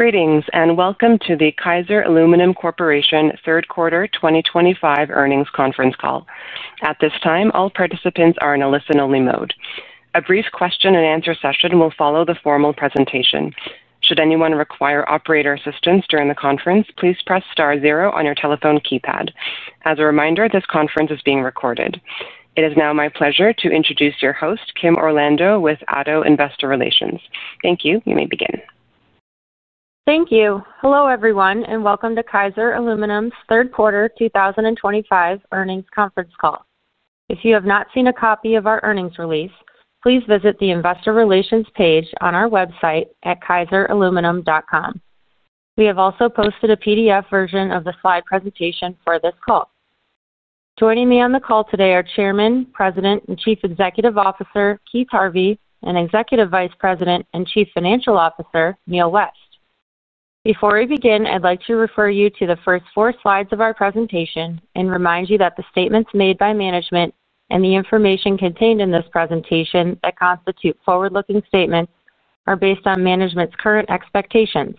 Greetings, and welcome to the Kaiser Aluminum Corporation third quarter 2025 earnings conference call. At this time, all participants are in a listen-only mode. A brief question-and-answer session will follow the formal presentation. Should anyone require operator assistance during the conference, please press star zero on your telephone keypad. As a reminder, this conference is being recorded. It is now my pleasure to introduce your host, Kim Orlando, with ADDO Investor Relations. Thank you. You may begin. Thank you. Hello everyone, and welcome to Kaiser Aluminum's third quarter 2025 earnings conference call. If you have not seen a copy of our earnings release, please visit the Investor Relations page on our website at kaiseraluminum.com. We have also posted a PDF version of the slide presentation for this call. Joining me on the call today are Chairman, President, and Chief Executive Officer, Keith Harvey, and Executive Vice President and Chief Financial Officer, Neal West. Before we begin, I'd like to refer you to the first four slides of our presentation and remind you that the statements made by management and the information contained in this presentation that constitute forward-looking statements are based on management's current expectations.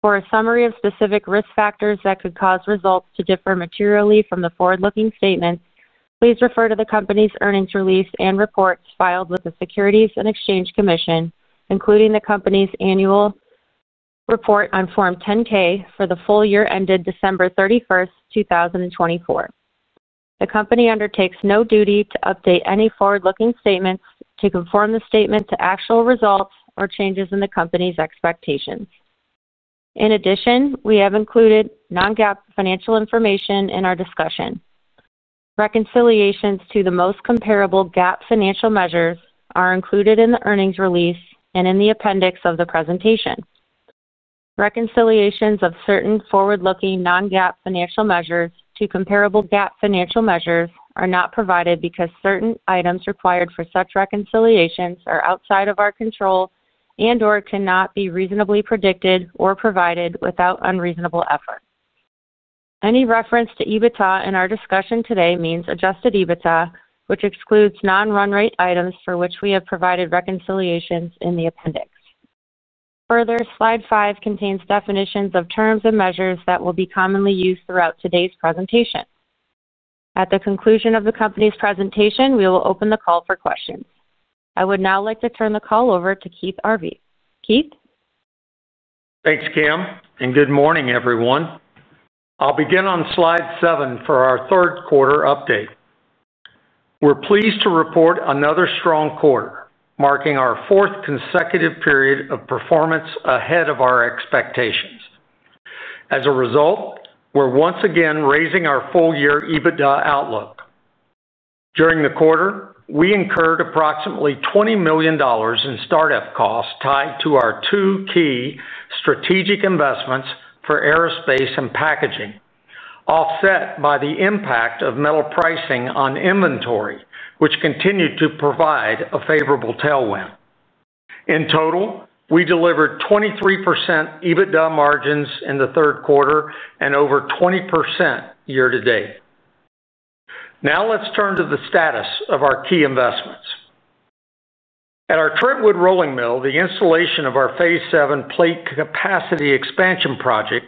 For a summary of specific risk factors that could cause results to differ materially from the forward-looking statements, please refer to the company's earnings release and reports filed with the Securities and Exchange Commission, including the company's annual report on Form 10-K for the full year ended December 31st, 2024. The company undertakes no duty to update any forward-looking statements to conform the statement to actual results or changes in the company's expectations. In addition, we have included non-GAAP financial information in our discussion. Reconciliations to the most comparable GAAP financial measures are included in the earnings release and in the appendix of the presentation. Reconciliations of certain forward-looking non-GAAP financial measures to comparable GAAP financial measures are not provided because certain items required for such reconciliations are outside of our control and/or cannot be reasonably predicted or provided without unreasonable effort. Any reference to EBITDA in our discussion today means adjusted EBITDA, which excludes non-run rate items for which we have provided reconciliations in the appendix. Further, slide five contains definitions of terms and measures that will be commonly used throughout today's presentation. At the conclusion of the company's presentation, we will open the call for questions. I would now like to turn the call over to Keith Harvey. Keith? Thanks, Kim, and good morning, everyone. I'll begin on slide seven for our third quarter update. We're pleased to report another strong quarter, marking our fourth consecutive period of performance ahead of our expectations. As a result, we're once again raising our full-year EBITDA outlook. During the quarter, we incurred approximately $20 million in startup costs tied to our two key strategic investments for aerospace and packaging, offset by the impact of metal pricing on inventory, which continued to provide a favorable tailwind. In total, we delivered 23% EBITDA margins in the third quarter and over 20% year-to-date. Now let's turn to the status of our key investments. At our Trentwood rolling mill, the installation of our Phase VII plate capacity expansion project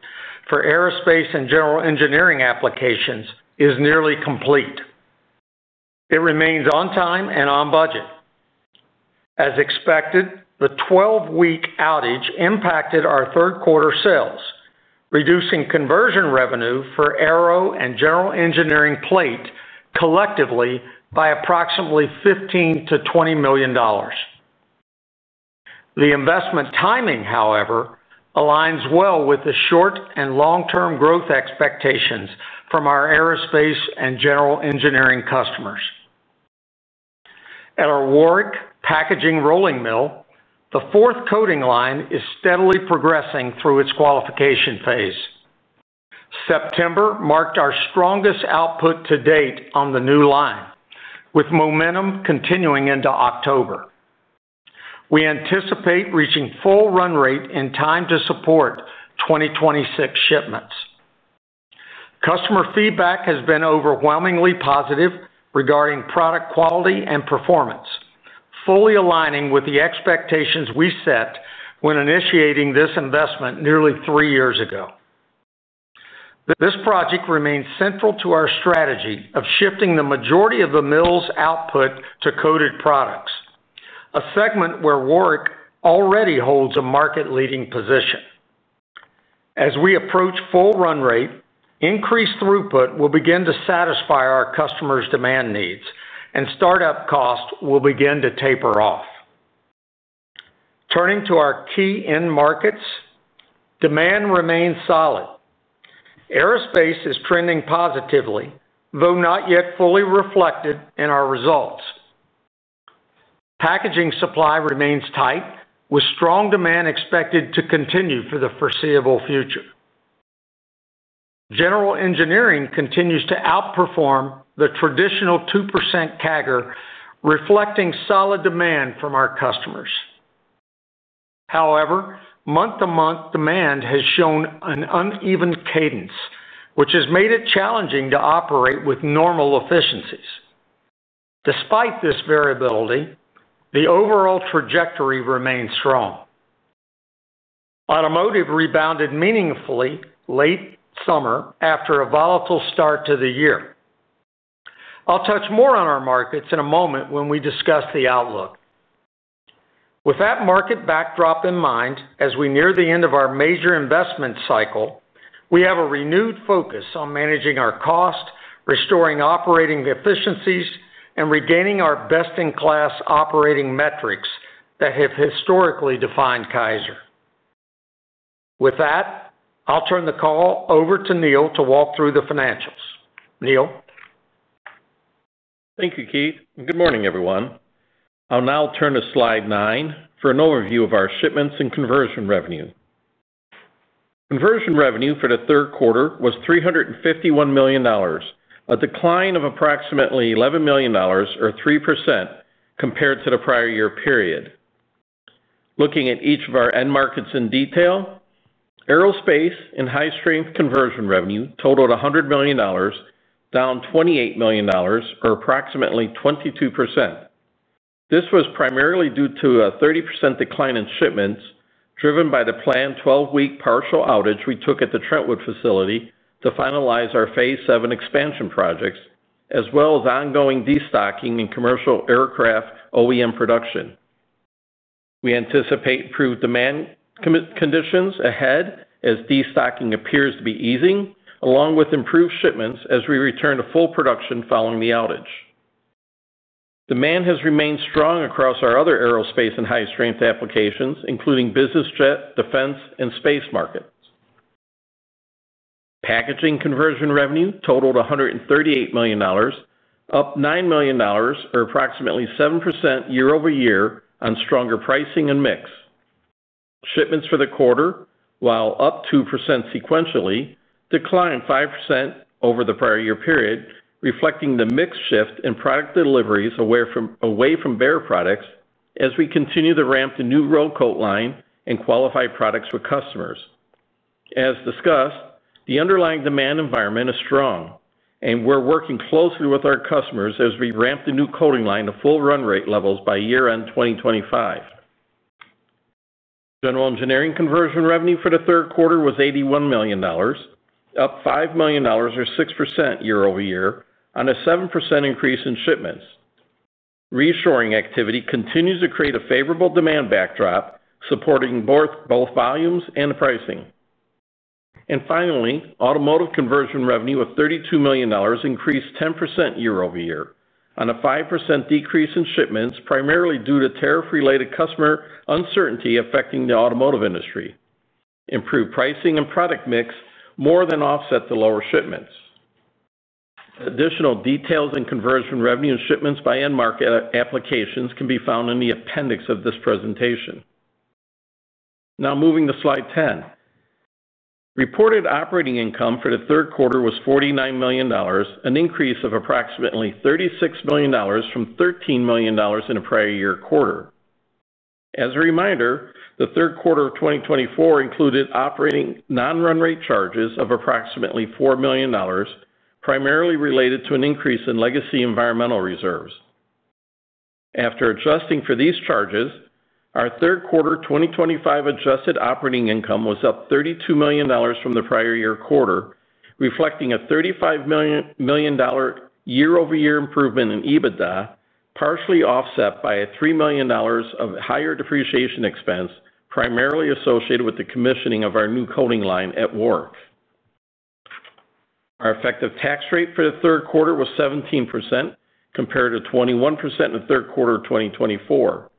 for aerospace and general engineering applications is nearly complete. It remains on time and on budget. As expected, the 12-week outage impacted our third quarter sales, reducing conversion revenue for aero and general engineering plate collectively by approximately $15 million-$20 million. The investment timing, however, aligns well with the short and long-term growth expectations from our aerospace and general engineering customers. At our Warrick packaging rolling mill, the fourth coating line is steadily progressing through its qualification phase. September marked our strongest output to date on the new line, with momentum continuing into October. We anticipate reaching full run rate in time to support 2026 shipments. Customer feedback has been overwhelmingly positive regarding product quality and performance, fully aligning with the expectations we set when initiating this investment nearly three years ago. This project remains central to our strategy of shifting the majority of the mill's output to coated products, a segment where Warrick already holds a market-leading position. As we approach full run rate, increased throughput will begin to satisfy our customers' demand needs, and startup costs will begin to taper off. Turning to our key end markets, demand remains solid. Aerospace is trending positively, though not yet fully reflected in our results. Packaging supply remains tight, with strong demand expected to continue for the foreseeable future. General engineering continues to outperform the traditional 2% CAGR, reflecting solid demand from our customers. However, month-to-month demand has shown an uneven cadence, which has made it challenging to operate with normal efficiencies. Despite this variability, the overall trajectory remains strong. Automotive rebounded meaningfully late summer after a volatile start to the year. I'll touch more on our markets in a moment when we discuss the outlook. With that market backdrop in mind, as we near the end of our major investment cycle, we have a renewed focus on managing our cost, restoring operating efficiencies, and regaining our best-in-class operating metrics that have historically defined Kaiser. With that, I'll turn the call over to Neal to walk through the financials. Neal? Thank you, Keith, and good morning, everyone. I'll now turn to slide nine for an overview of our shipments and conversion revenue. Conversion revenue for the third quarter was $351 million, a decline of approximately $11 million, or 3%, compared to the prior year period. Looking at each of our end markets in detail, aerospace and high-strength conversion revenue totaled $100 million, down $28 million, or approximately 22%. This was primarily due to a 30% decline in shipments, driven by the planned 12-week partial outage we took at the Trentwood facility to finalize Phase VII expansion projects, as well as ongoing destocking and commercial aircraft OEM production. We anticipate improved demand conditions ahead as destocking appears to be easing, along with improved shipments as we return to full production following the outage. Demand has remained strong across our other aerospace and high-strength applications, including business jet, defense, and space markets. Packaging conversion revenue totaled $138 million, up $9 million, or approximately 7% year-over-year on stronger pricing and mix. Shipments for the quarter, while up 2% sequentially, declined 5% over the prior year period, reflecting the mixed shift in product deliveries away from bare products as we continue the ramp to new Warrick fourth coating line and qualify products for customers. As discussed, the underlying demand environment is strong, and we're working closely with our customers as we ramp the new coating line to full run rate levels by year-end 2025. General engineering conversion revenue for the third quarter was $81 million, up $5 million, or 6% year-over-year, on a 7% increase in shipments. Reassuring activity continues to create a favorable demand backdrop, supporting both volumes and pricing. Finally, automotive conversion revenue was $32 million, increased 10% year-over-year, on a 5% decrease in shipments, primarily due to tariff-related customer uncertainty affecting the automotive industry. Improved pricing and product mix more than offset the lower shipments. Additional details and conversion revenue and shipments by end market applications can be found in the appendix of this presentation. Now moving to slide 10, reported operating income for the third quarter was $49 million, an increase of approximately $36 million from $13 million in the prior year quarter. As a reminder, the third quarter of 2024 included operating non-run rate charges of approximately $4 million, primarily related to an increase in legacy environmental reserves. After adjusting for these charges, our third quarter 2025 adjusted operating income was up $32 million from the prior year quarter, reflecting a $35 million year-over-year improvement in EBITDA, partially offset by $3 million of higher depreciation expense, primarily associated with the commissioning of our new coating line at Warrick. Our effective tax rate for the third quarter was 17%, compared to 21% in the third quarter of 2024.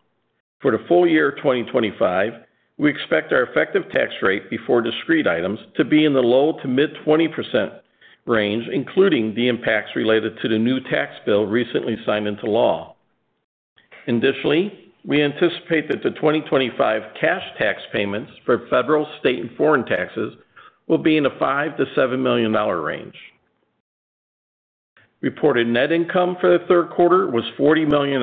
For the full year of 2025, we expect our effective tax rate before discrete items to be in the low to mid-20% range, including the impacts related to the new tax bill recently signed into law. Additionally, we anticipate that the 2025 cash tax payments for federal, state, and foreign taxes will be in the $5 million-$7 million range. Reported net income for the third quarter was $40 million,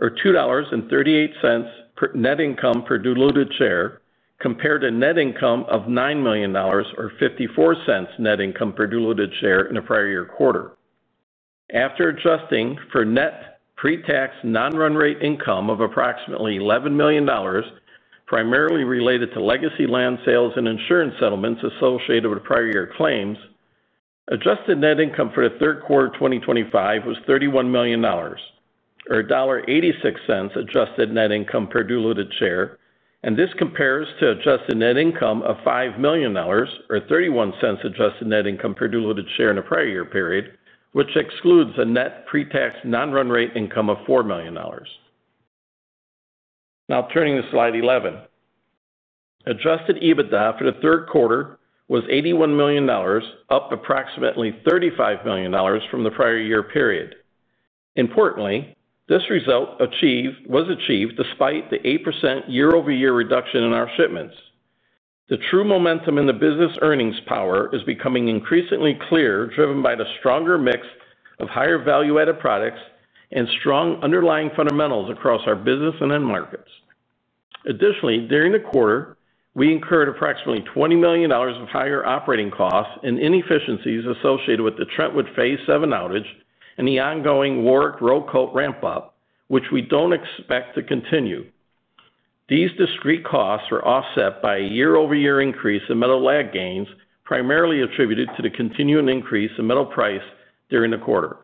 or $2.38 net income per diluted share, compared to net income of $9 million, or $0.54 net income per diluted share in a prior year quarter. After adjusting for net pre-tax non-run rate income of approximately $11 million, primarily related to legacy land sales and insurance settlements associated with prior year claims, adjusted net income for the third quarter of 2025 was $31 million, or $1.86 adjusted net income per diluted share, and this compares to adjusted net income of $5 million, or $0.31 adjusted net income per diluted share in a prior year period, which excludes a net pre-tax non-run rate income of $4 million. Now turning to slide 11, adjusted EBITDA for the third quarter was $81 million, up approximately $35 million from the prior year period. Importantly, this result was achieved despite the 8% year-over-year reduction in our shipments. The true momentum in the business earnings power is becoming increasingly clear, driven by the stronger mix of higher value-added products and strong underlying fundamentals across our business and end markets. Additionally, during the quarter, we incurred approximately $20 million of higher operating costs and inefficiencies associated with the Trentwood Phase VII outage and the ongoing Warrick roll coat line ramp-up, which we don't expect to continue. These discrete costs are offset by a year-over-year increase in metal lag gains, primarily attributed to the continuing increase in metal price during the quarter.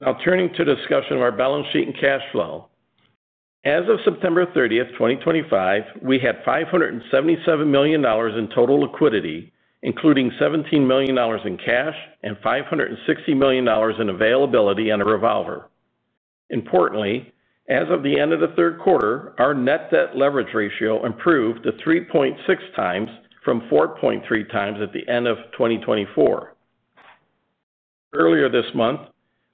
Now turning to discussion of our balance sheet and cash flow, as of September 30th, 2025, we had $577 million in total liquidity, including $17 million in cash and $560 million in availability in a revolver. Importantly, as of the end of the third quarter, our net debt leverage ratio improved to 3.6x from 4.3x at the end of 2024. Earlier this month,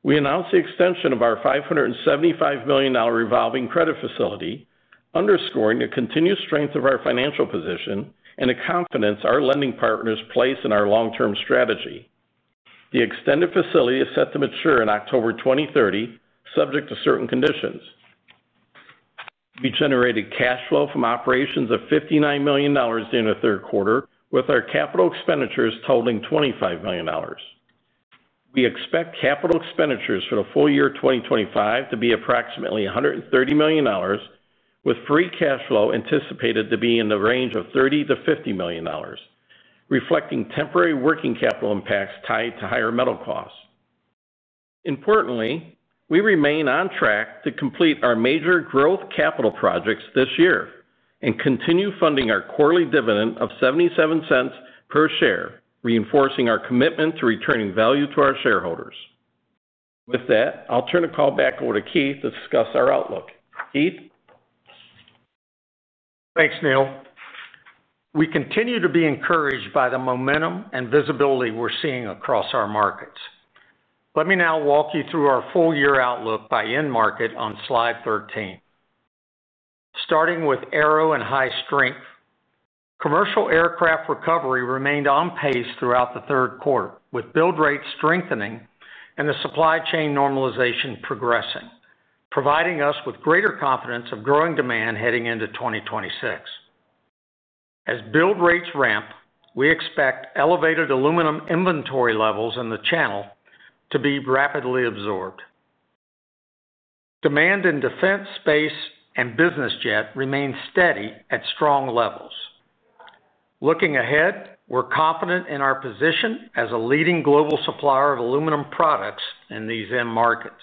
we announced the extension of our $575 million revolving credit facility, underscoring the continued strength of our financial position and the confidence our lending partners place in our long-term strategy. The extended facility is set to mature in October 2030, subject to certain conditions. We generated cash flow from operations of $59 million during the third quarter, with our capital expenditures totaling $25 million. We expect capital expenditures for the full year 2025 to be approximately $130 million, with free cash flow anticipated to be in the range of $30 million-$50 million, reflecting temporary working capital impacts tied to higher metal costs. Importantly, we remain on track to complete our major growth capital projects this year and continue funding our quarterly dividend of $0.77 per share, reinforcing our commitment to returning value to our shareholders. With that, I'll turn the call back over to Keith to discuss our outlook. Keith? Thanks, Neal. We continue to be encouraged by the momentum and visibility we're seeing across our markets. Let me now walk you through our full-year outlook by end market on slide 13. Starting with aerospace and high-strength, commercial aircraft recovery remained on pace throughout the third quarter, with build rates strengthening and the supply chain normalization progressing, providing us with greater confidence of growing demand heading into 2026. As build rates ramp, we expect elevated aluminum inventory levels in the channel to be rapidly absorbed. Demand in defense, space, and business jet remains steady at strong levels. Looking ahead, we're confident in our position as a leading global supplier of aluminum products in these end markets.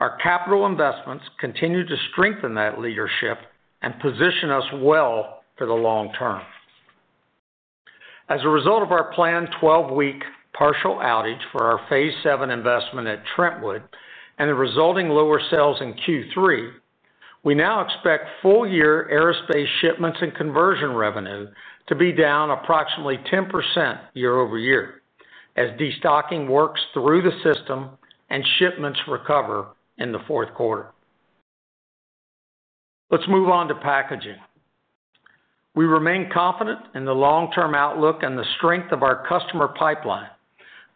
Our capital investments continue to strengthen that leadership and position us well for the long term. As a result of our planned 12-week partial outage for Phase VII investment at Trentwood and the resulting lower sales in Q3, we now expect full-year aerospace shipments and conversion revenue to be down approximately 10% year-over-year as destocking works through the system and shipments recover in the fourth quarter. Let's move on to packaging. We remain confident in the long-term outlook and the strength of our customer pipeline,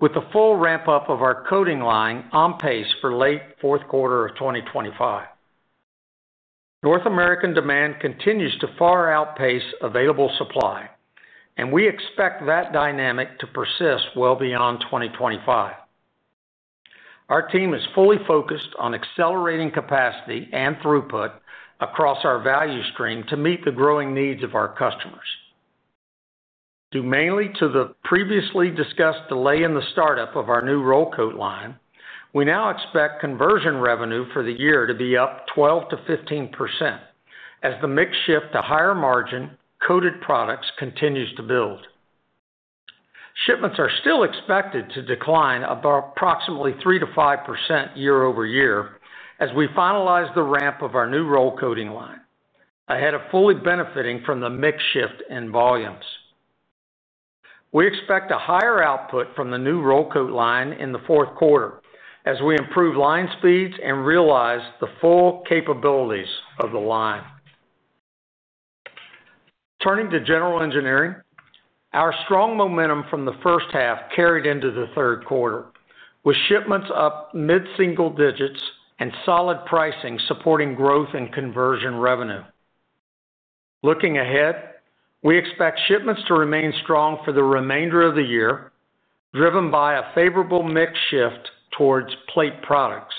with the full ramp-up of our coating line on pace for late fourth quarter of 2025. North American demand continues to far outpace available supply, and we expect that dynamic to persist well beyond 2025. Our team is fully focused on accelerating capacity and throughput across our value stream to meet the growing needs of our customers. Due mainly to the previously discussed delay in the startup of our new coating line, we now expect conversion revenue for the year to be up 12%-15% as the mix shift to higher-margin coated packaging products continues to build. Shipments are still expected to decline approximately 3%-5% year-over-year as we finalize the ramp of our new coating line, ahead of fully benefiting from the mix shift in volumes. We expect a higher output from the new coating line in the fourth quarter as we improve line speeds and realize the full capabilities of the line. Turning to general engineering, our strong momentum from the first half carried into the third quarter, with shipments up mid-single digits and solid pricing supporting growth in conversion revenue. Looking ahead, we expect shipments to remain strong for the remainder of the year, driven by a favorable mix shift towards plate products,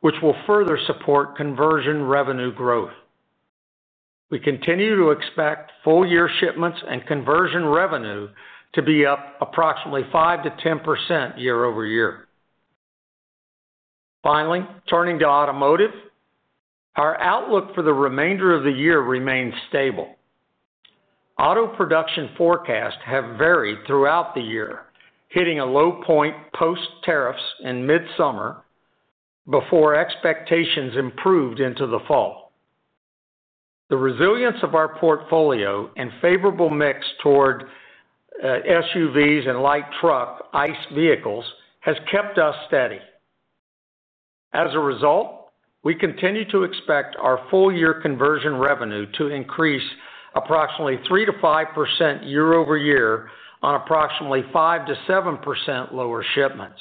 which will further support conversion revenue growth. We continue to expect full-year shipments and conversion revenue to be up approximately 5%-10% year-over-year. Finally, turning to automotive, our outlook for the remainder of the year remains stable. Auto production forecasts have varied throughout the year, hitting a low point post-tariffs in mid-summer before expectations improved into the fall. The resilience of our portfolio and favorable mix toward SUVs and light truck ICE vehicles has kept us steady. As a result, we continue to expect our full-year conversion revenue to increase approximately 3%-5% year-over-year on approximately 5%- 7% lower shipments.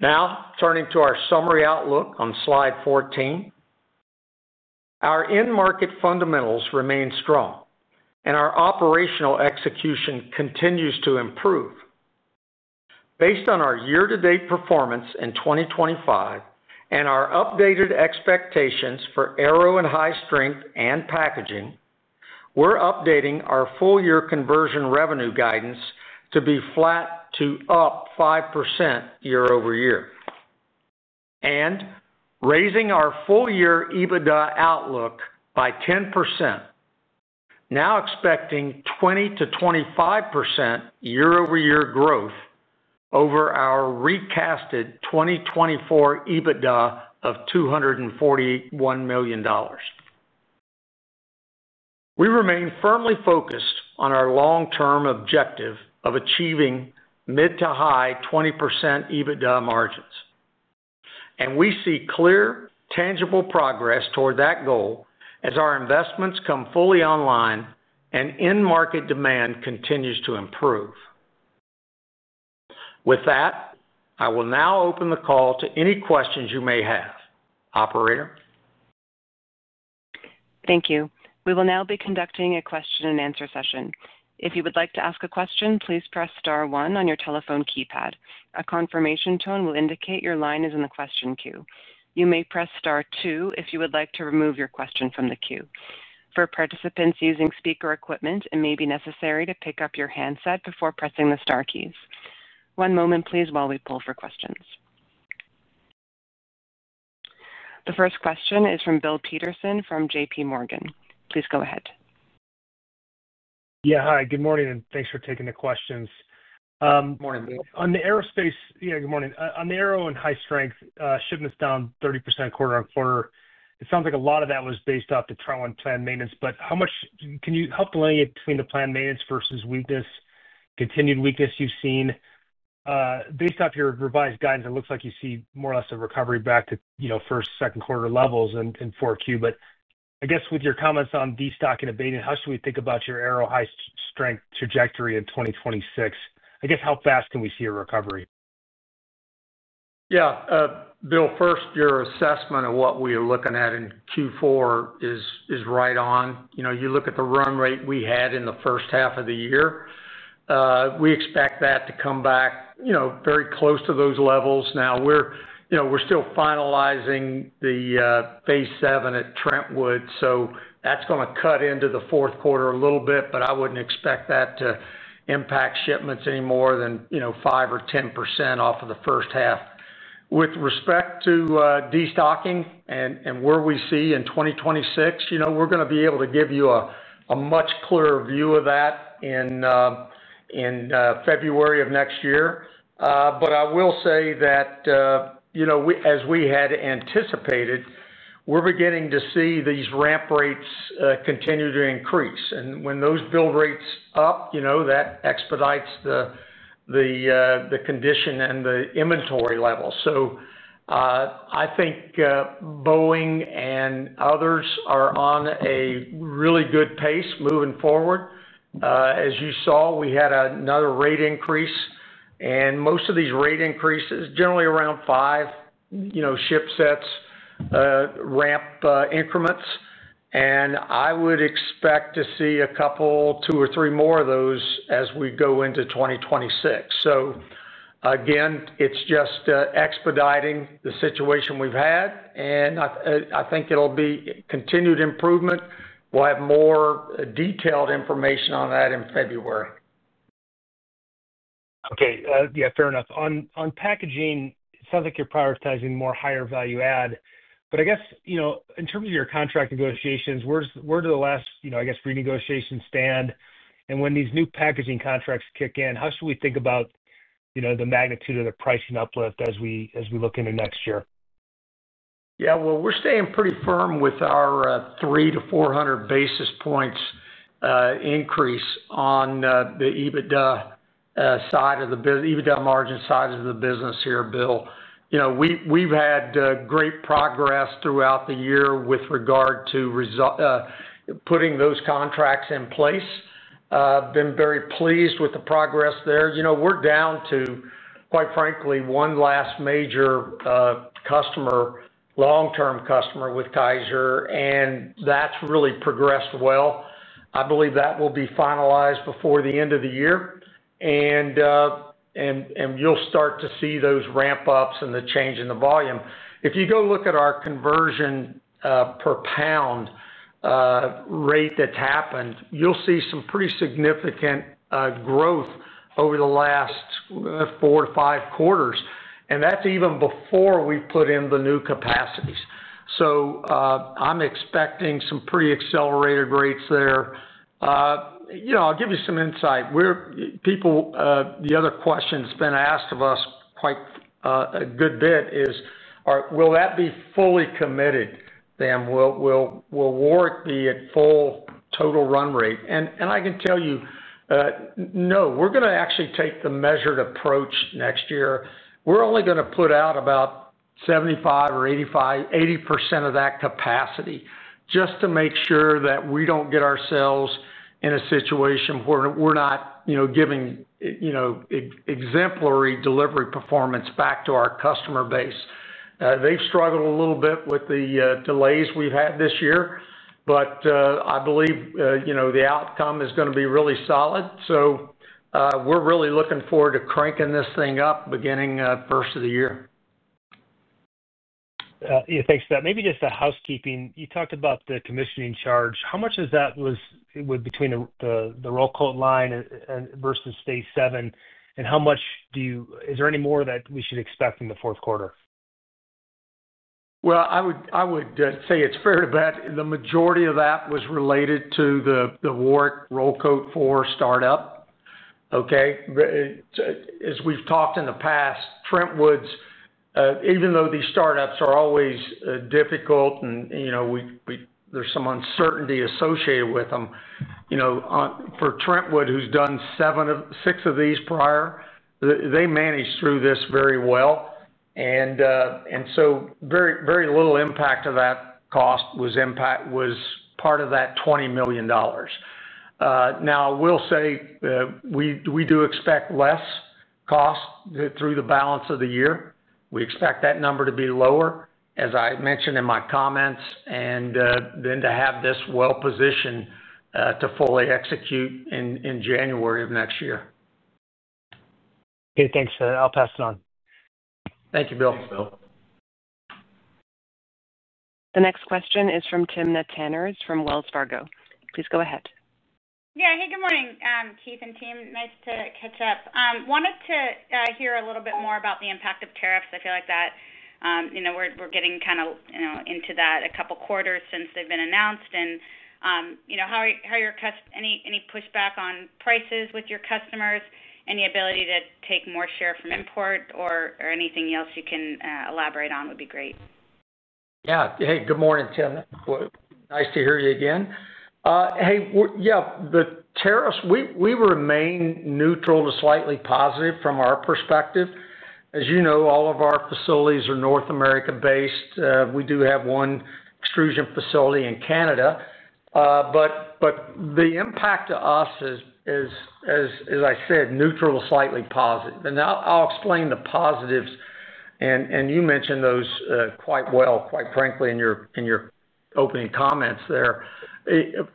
Now turning to our summary outlook on slide 14, our end market fundamentals remain strong, and our operational execution continues to improve. Based on our year-to-date performance in 2025 and our updated expectations for aerospace and high-strength and packaging, we're updating our full-year conversion revenue guidance to be flat to up 5% year-over-year and raising our full-year EBITDA outlook by 10%, now expecting 2%-25% year-over-year growth over our recasted 2024 EBITDA of $241 million. We remain firmly focused on our long-term objective of achieving mid to high 20% EBITDA margins, and we see clear, tangible progress toward that goal as our investments come fully online and end market demand continues to improve. With that, I will now open the call to any questions you may have. Operator? Thank you. We will now be conducting a question-and-answer session. If you would like to ask a question, please press star one on your telephone keypad. A confirmation tone will indicate your line is in the question queue. You may press star two if you would like to remove your question from the queue. For participants using speaker equipment, it may be necessary to pick up your handset before pressing the star keys. One moment, please, while we pull for questions. The first question is from Bill Peterson from JPMorgan. Please go ahead. Yeah, hi. Good morning, and thanks for taking the questions. Morning, Bill. On the aerospace, yeah, good morning. On the aerospace and high-strength, shipments down 30% quarter-on-quarter. It sounds like a lot of that was based off the trial and planned maintenance, but how much can you help delineate between the planned maintenance versus weakness, continued weakness you've seen? Based off your revised guidance, it looks like you see more or less a recovery back to, you know, first, second quarter levels in 4Q. With your comments on destocking abating, how should we think about your aerospace high-strength trajectory in 2026? How fast can we see a recovery? Yeah, Bill, first, your assessment of what we are looking at in Q4 is right on. You look at the run rate we had in the first half of the year. We expect that to come back very close to those levels. Now, we're still finalizing the Phase VII at Trentwood, so that's going to cut into the fourth quarter a little bit, but I wouldn't expect that to impact shipments any more than 5% or 10% off of the first half. With respect to destocking and where we see in 2026, we're going to be able to give you a much clearer view of that in February of next year. I will say that, as we had anticipated, we're beginning to see these ramp rates continue to increase. When those build rates up, that expedites the condition and the inventory level. I think Boeing and others are on a really good pace moving forward. As you saw, we had another rate increase, and most of these rate increases generally around five ship sets ramp increments. I would expect to see a couple, two or three more of those as we go into 2026. It is just expediting the situation we've had, and I think it'll be continued improvement. We'll have more detailed information on that in February. Okay. Yeah, fair enough. On packaging, it sounds like you're prioritizing more higher value add. In terms of your contract negotiations, where do the last, I guess, renegotiations stand? When these new packaging contracts kick in, how should we think about the magnitude of the pricing uplift as we look into next year? Yeah, we're staying pretty firm with our 300 basis points-400 basis points increase on the EBITDA margin side of the business here, Bill. We've had great progress throughout the year with regard to putting those contracts in place. I've been very pleased with the progress there. We're down to, quite frankly, one last major customer, long-term customer with Kaiser, and that's really progressed well. I believe that will be finalized before the end of the year, and you'll start to see those ramp-ups and the change in the volume. If you go look at our conversion per pound rate that's happened, you'll see some pretty significant growth over the last four to five quarters, and that's even before we put in the new capacities. I'm expecting some pretty accelerated rates there. I'll give you some insight. People, the other question that's been asked of us quite a good bit is, will that be fully committed? Will Warrick be at full total run rate? I can tell you, no, we're going to actually take the measured approach next year. We're only going to put out about 75% or 80% of that capacity just to make sure that we don't get ourselves in a situation where we're not giving exemplary delivery performance back to our customer base. They've struggled a little bit with the delays we've had this year, but I believe the outcome is going to be really solid. We're really looking forward to cranking this thing up beginning the first of the year. Yeah, thanks for that. Maybe just a housekeeping. You talked about the commissioning charge. How much is that? It would be between the roll coat line versus Phase VII, and how much do you, is there any more that we should expect in the fourth quarter? I would say it's fair to bet the majority of that was related to the Warrick roll coat for startup. As we've talked in the past, Trentwood's, even though these startups are always difficult and, you know, there's some uncertainty associated with them, you know, for Trentwood, who's done six of these prior, they managed through this very well. Very, very little impact of that cost was impact was part of that $20 million. I will say we do expect less cost through the balance of the year. We expect that number to be lower, as I mentioned in my comments, and to have this well positioned to fully execute in January of next year. Okay, thanks. I'll pass it on. Thank you, Bill. The next question is from Timna Tanners from Wells Fargo. Please go ahead. Yeah, hey, good morning, Keith and Timna. Nice to catch up. Wanted to hear a little bit more about the impact of tariffs. I feel like we're getting kind of into that a couple of quarters since they've been announced. How are your customers, any pushback on prices with your customers, any ability to take more share from import, or anything else you can elaborate on would be great. Yeah, hey, good morning, Timna. Nice to hear you again. Yeah, the tariffs, we remain neutral to slightly positive from our perspective. As you know, all of our facilities are North America based. We do have one extrusion facility in Canada. The impact to us is, as I said, neutral to slightly positive. I'll explain the positives, and you mentioned those quite well, quite frankly, in your opening comments there.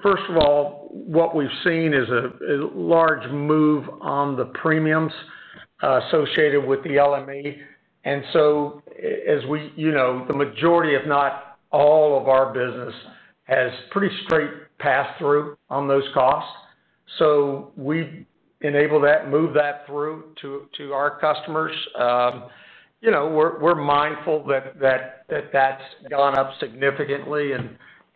First of all, what we've seen is a large move on the premiums associated with the LME. As we, you know, the majority, if not all, of our business has pretty straight pass-through on those costs. We enable that, move that through to our customers. We're mindful that that's gone up significantly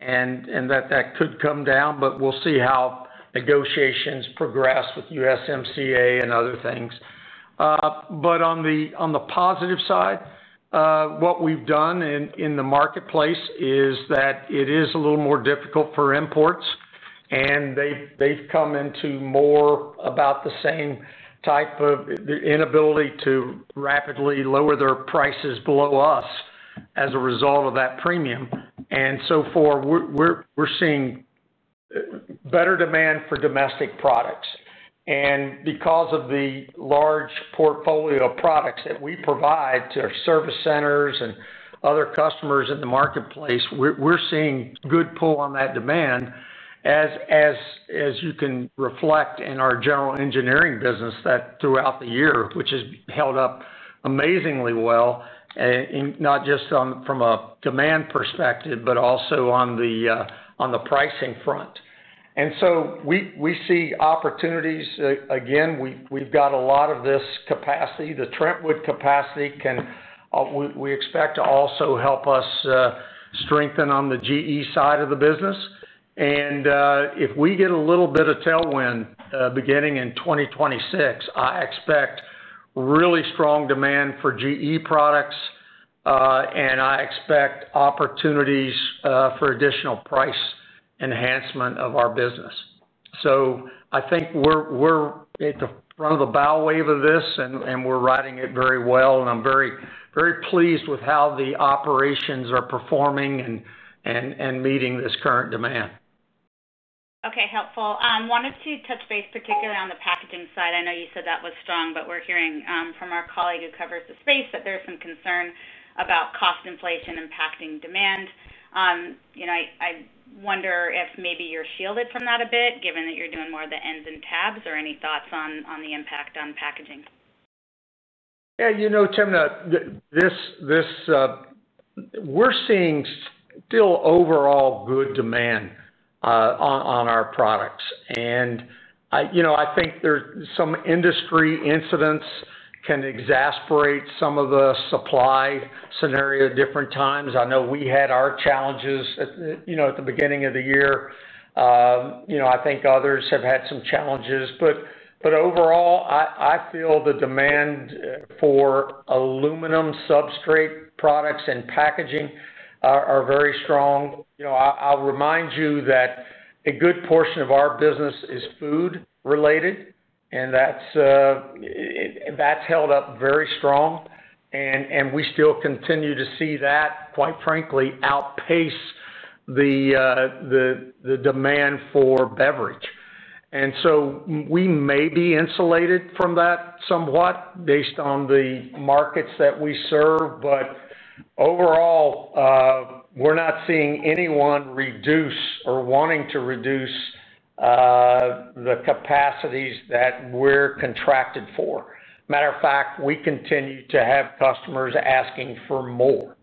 and that that could come down, but we'll see how negotiations progress with USMCA and other things. On the positive side, what we've done in the marketplace is that it is a little more difficult for imports, and they've come into more about the same type of inability to rapidly lower their prices below us as a result of that premium. So far, we're seeing better demand for domestic products. Because of the large portfolio of products that we provide to our service centers and other customers in the marketplace, we're seeing good pull on that demand. As you can reflect in our general engineering business, that throughout the year, which has held up amazingly well, and not just from a demand perspective, but also on the pricing front. We see opportunities. Again, we've got a lot of this capacity. The Trentwood capacity can we expect to also help us strengthen on the GE side of the business. If we get a little bit of tailwind beginning in 2026, I expect really strong demand for GE products, and I expect opportunities for additional price enhancement of our business. I think we're at the front of the bow wave of this, and we're riding it very well. I'm very, very pleased with how the operations are performing and meeting this current demand. Okay, helpful. Wanted to touch base particularly on the packaging side. I know you said that was strong, but we're hearing from our colleague who covers the space that there's some concern about cost inflation impacting demand. I wonder if maybe you're shielded from that a bit, given that you're doing more of the ends and tabs, or any thoughts on the impact on packaging? Yeah, you know, Timna, we're seeing still overall good demand on our products. I think there's some industry incidents that can exacerbate some of the supply scenario at different times. I know we had our challenges at the beginning of the year. I think others have had some challenges. Overall, I feel the demand for aluminum substrate products and packaging are very strong. I'll remind you that a good portion of our business is food related, and that's held up very strong. We still continue to see that, quite frankly, outpace the demand for beverage. We may be insulated from that somewhat based on the markets that we serve. Overall, we're not seeing anyone reduce or wanting to reduce the capacities that we're contracted for. Matter of fact, we continue to have customers asking for more.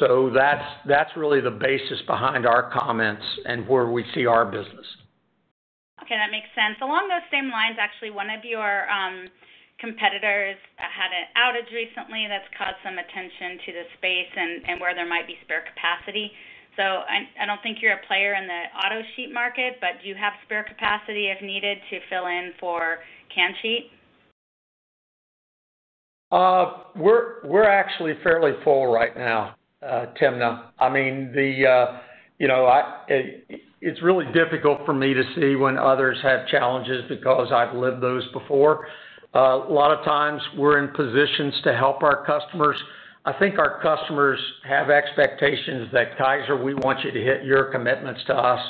That's really the basis behind our comments and where we see our business. Okay, that makes sense. Along those same lines, actually, one of your competitors had an outage recently that's caused some attention to the space and where there might be spare capacity. I don't think you're a player in the auto sheet market, but do you have spare capacity if needed to fill in for can sheet? We're actually fairly full right now, Timna. I mean, you know, it's really difficult for me to see when others have challenges because I've lived those before. A lot of times, we're in positions to help our customers. I think our customers have expectations that Kaiser, we want you to hit your commitments to us.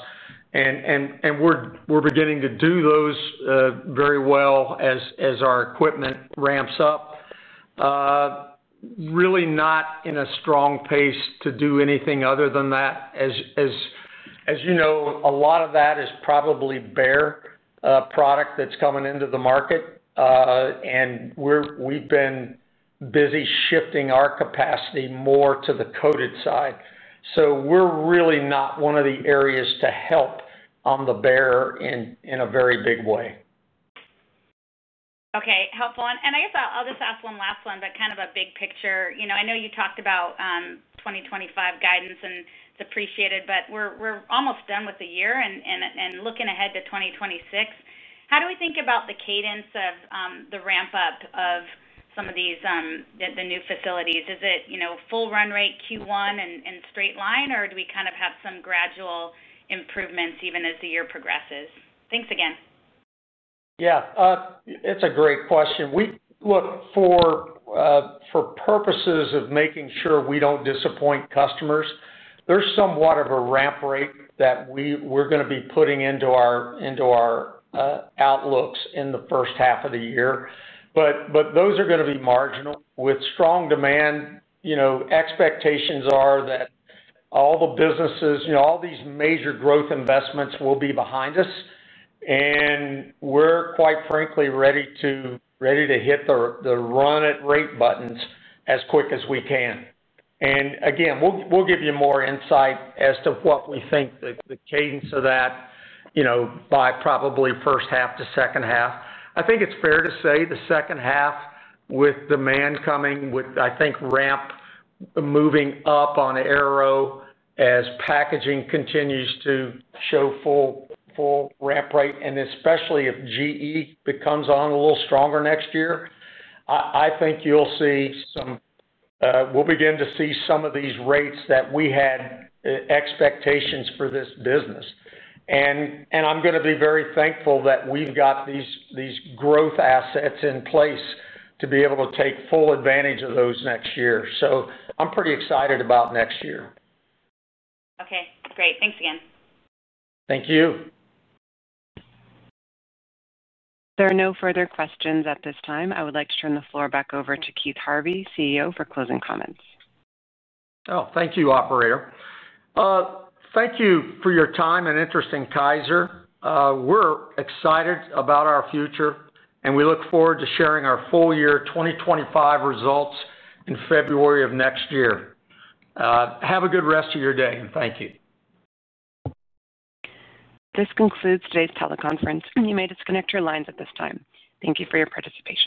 We're beginning to do those very well as our equipment ramps up. We're really not in a strong pace to do anything other than that. As you know, a lot of that is probably bare product that's coming into the market. We've been busy shifting our capacity more to the coated side. We're really not one of the areas to help on the bare in a very big way. Okay, helpful. I guess I'll just ask one last one, but kind of a big picture. You know, I know you talked about 2025 guidance, and it's appreciated, but we're almost done with the year and looking ahead to 2026. How do we think about the cadence of the ramp-up of some of these new facilities? Is it full run rate Q1 and straight line, or do we kind of have some gradual improvements even as the year progresses? Thanks again. Yeah, it's a great question. We look for purposes of making sure we don't disappoint customers. There's somewhat of a ramp rate that we are going to be putting into our outlooks in the first half of the year, but those are going to be marginal. With strong demand, expectations are that all the businesses, all these major growth investments will be behind us. We are, quite frankly, ready to hit the run at rate buttons as quick as we can. Again, we'll give you more insight as to what we think the cadence of that, by probably first half to second half. I think it's fair to say the second half with demand coming, with I think ramp moving up on aero as packaging continues to show full ramp rate. Especially if GE becomes on a little stronger next year, I think you'll see some, we'll begin to see some of these rates that we had expectations for this business. I'm going to be very thankful that we've got these growth assets in place to be able to take full advantage of those next year. I'm pretty excited about next year. Okay, great. Thanks again. Thank you. There are no further questions at this time. I would like to turn the floor back over to Keith Harvey, CEO, for closing comments. Thank you, operator. Thank you for your time and interest in Kaiser. We're excited about our future, and we look forward to sharing our full-year 2025 results in February of next year. Have a good rest of your day, and thank you. This concludes today's teleconference, and you may disconnect your lines at this time. Thank you for your participation.